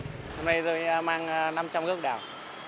hôm nay tôi mang năm trăm linh gốc đào